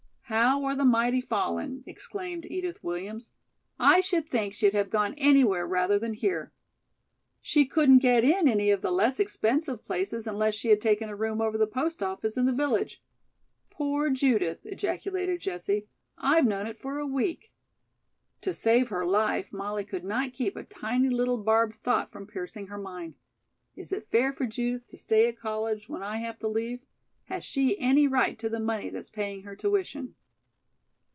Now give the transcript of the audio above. "How are the mighty fallen!" exclaimed Edith Williams. "I should think she'd have gone anywhere rather than here." "She couldn't get in any of the less expensive places unless she had taken a room over the post office in the village." "Poor Judith!" ejaculated Jessie. "I've known it for a week." To save her life Molly could not keep a tiny little barbed thought from piercing her mind: "Is it fair for Judith to stay at college when I have to leave? Has she any right to the money that's paying her tuition?"